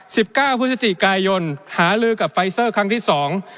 สิบเก้าพฤศจิกายนหาลือกับไฟเซอร์ครั้งที่สอง